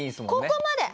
ここまで。